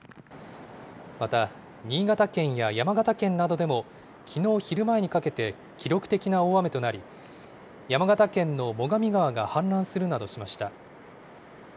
また、新潟県や山形県などでもきのう昼前にかけて、記録的な大雨となり、山形県の最上川が氾濫するなどしました。